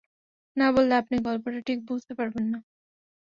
না-বললে আপনি গল্পটা ঠিক বুঝতে পারবেন না।